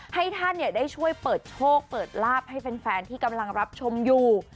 ให้ท่านได้ช่วยเปิดโชคเปิดลาบให้แฟนที่กำลังรับชมอยู่